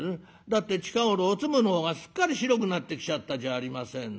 「だって近頃おつむの方がすっかり白くなってきちゃったじゃありませんの。